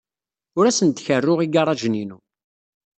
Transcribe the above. Ur asent-kerruɣ igaṛajen-inu.